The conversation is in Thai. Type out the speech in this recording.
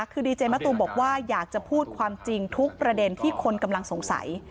คือดีเจมะตูมบอกว่าอยากจะพูดความจริงทุกประเด็นที่คนกำลังสงสัย